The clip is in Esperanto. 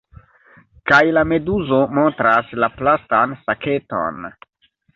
Kaj la meduzo montras la plastan saketon.